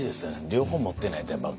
両方持ってないとやっぱ。